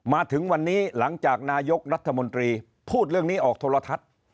มาถึงวันนี้หลังจากนายกรัฐมนตรีพูดเรื่องนี้ออกโทรทัศน์